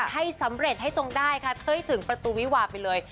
ให้สำเร็จให้จงได้ค่ะเต้ยถึงประตูวิวาไปเลย